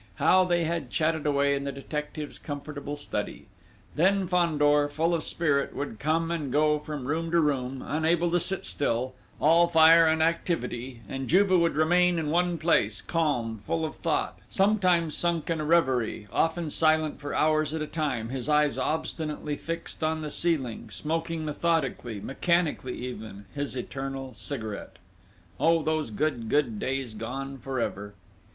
How they had chatted away in the detective's comfortable study! Then Fandor, full of spirit, would come and go from room to room, unable to sit still, all fire and activity; and Juve would remain in one place, calm, full of thought, sometimes sunk in a reverie, often silent for hours at a time, his eyes obstinately fixed on the ceiling, smoking methodically, mechanically even, his eternal cigarette. Oh, those good, good days gone for ever!